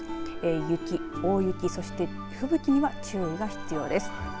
雪、大雪、そして吹雪には注意が必要です。